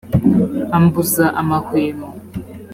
ambuza amahwemo,